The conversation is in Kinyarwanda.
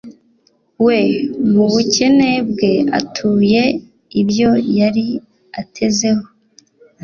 we mu bukene bwe atuye ibyo yari atezeho